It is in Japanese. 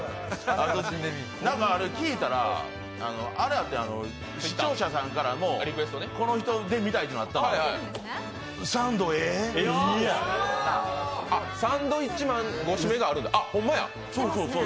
聞いたら、視聴者さんからのこの人で見たいってのあってんサンドウィッチマンご指名があるんだ。